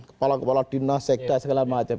kepala kepala dinas sekda segala macam